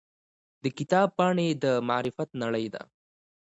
د کتاب پاڼې د معرفت نړۍ ده.